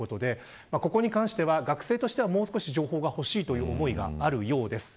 ここに関しては、学生としてはもう少し情報が欲しいという思いがあるようです。